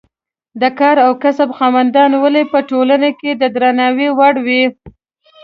د کار او کسب خاوندان ولې په ټولنه کې د درناوي وړ وي.